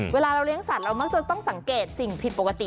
เวลาเราเลี้ยสัตว์เรามักจะต้องสังเกตสิ่งผิดปกติ